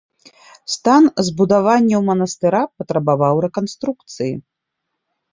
Стан збудаванняў манастыра патрабаваў рэканструкцыі.